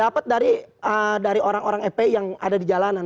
dapat dari orang orang fpi yang ada di jalanan